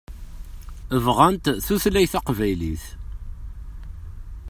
Bɣant tutlayt taqbaylit.